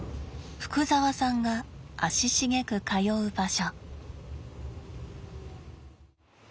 福澤さんが足しげく通う場所。